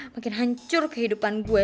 makin hancur kehidupan gue